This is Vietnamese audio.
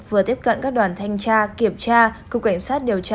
vừa tiếp cận các đoàn thanh tra kiểm tra cục cảnh sát điều tra